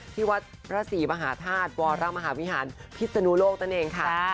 ที่วัดพระศรีมหาธาตุวรมหาวิหารพิศนุโลกนั่นเองค่ะ